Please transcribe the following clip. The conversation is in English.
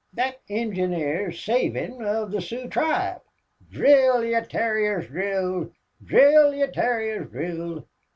Thot engineer's savin' of the Sooz tribe!... Drill, ye terriers, drill! Drill, ye terriers, drill!...